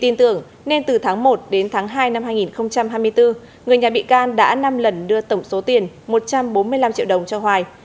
nên từ tháng một đến tháng hai năm hai nghìn hai mươi bốn người nhà bị can đã năm lần đưa tổng số tiền một trăm bốn mươi năm triệu đồng cho hoài